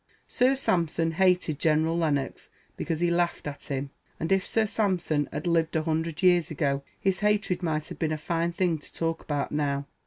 Sir Sampson hated General Lennox because he laughed at him; and if Sir Sampson had lived a hundred years ago, his hatred might have been a fine thing to talk about now.